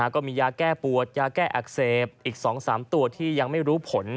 ก็มียาแก้ปวดยาแก้อักเสบอีก๒๓ตัวที่ยังไม่รู้ผล